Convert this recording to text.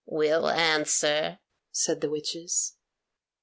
"We'll answer," said the witches.